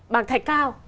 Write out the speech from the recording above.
bằng thạch cao